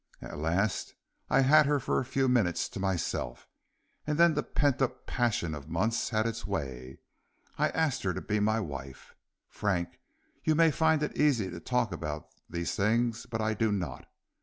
At last I had her for a few minutes to myself, and then the pent up passion of months had its way, and I asked her to be my wife. Frank, you may find it easy to talk about these things, but I do not.